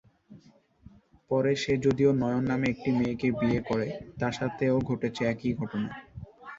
পরে সে যদিও নয়ন নামে একটি মেয়েকে বিয়ে করে, তার সাথেও ঘটেছে একই ঘটনা।